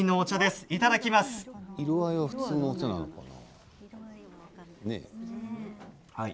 色合いは普通のお茶なのかな。